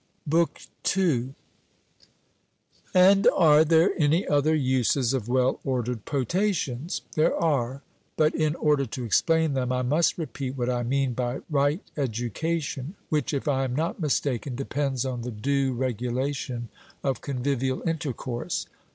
BOOK II. And are there any other uses of well ordered potations? There are; but in order to explain them, I must repeat what I mean by right education; which, if I am not mistaken, depends on the due regulation of convivial intercourse.